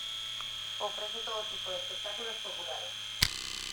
Ofrece todo tipo de espectáculos populares.